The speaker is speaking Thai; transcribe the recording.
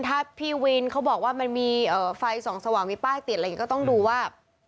ถ้าพี่วินเขาบอกว่ามันมีไฟส่องสว่างมีป้ายติดอะไรอย่างนี้ก็ต้องดูว่า